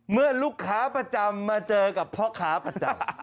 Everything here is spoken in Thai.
เมื่อลูกค้าประจำมาเจอกับพ่อค้าประจำ